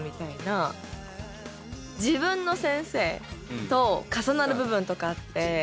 自分の先生と重なる部分とかあって。